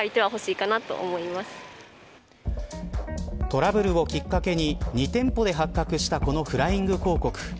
トラブルをきっかけに２店舗で発覚したこのフライング広告。